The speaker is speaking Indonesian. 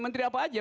menteri apa aja